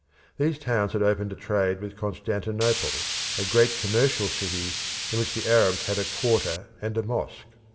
These towns had opened a trade with Constantinople, a great commercial city in which the Arabs had a quarter and a mosque.